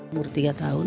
umur tiga tahun